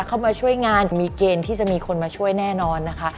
เข้ามาช่วยงานมีเกณฑ์ที่จะมีคนมาช่วยแน่นอนนะคะ